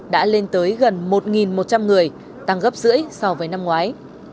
đã lên tới gần một một trăm linh người tăng gấp rưỡi so với năm ngoái